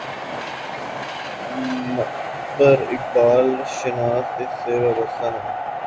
معتبر اقبال شناس اس سے وابستہ ہیں۔